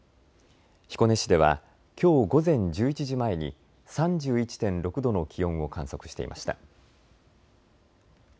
彦根市ではきょう午前１１時前に３１．６度の気温を観測していました。